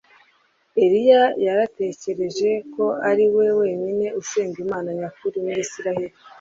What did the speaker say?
Eliya yari yaratekereje ko ari we wenyine usenga Imana nyakuri muri Isirayeli